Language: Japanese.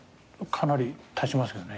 かなりたちますよね。